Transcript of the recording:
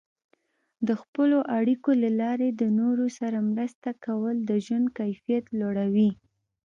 د خپلو اړیکو له لارې د نورو سره مرسته کول د ژوند کیفیت لوړوي.